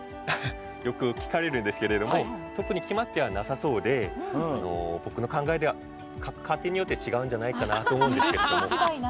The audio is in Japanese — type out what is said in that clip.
よく聞かれるんですが特に決まってはなさそうで僕の考えでは家庭によって違うんじゃないかと思うんですね。